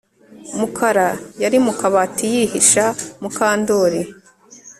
Mukara yari mu kabati yihisha Mukandoli